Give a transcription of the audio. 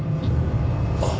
あっ。